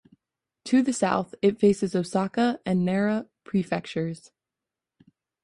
To the south, it faces Osaka and Nara Prefectures.